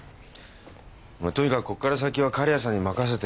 まっとにかくこっから先は狩矢さんに任せて。